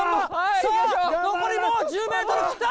さあ、残りもう１０メートル切った。